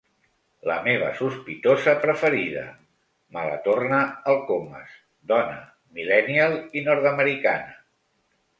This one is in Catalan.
La meva sospitosa preferida —me la torna el Comas—, dona, mil·lènnial i nord-americana.